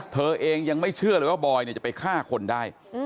เธอเองยังไม่เชื่อเลยว่าบอยจะไปฆ่าคนได้